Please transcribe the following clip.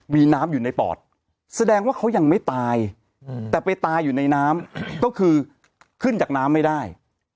มีน้ำอยู่ในปอดแสดงว่าเขายังไม่ตายแต่ไปตายอยู่ในน้ำก็คือขึ้นจากน้ำไม่ได้